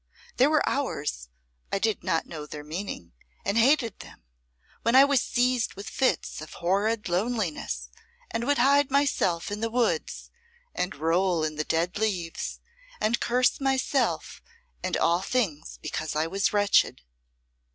There were hours I did not know their meaning, and hated them when I was seized with fits of horrid loneliness and would hide myself in the woods, and roll in the dead leaves, and curse myself and all things because I was wretched.